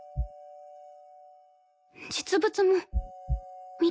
実物も見て。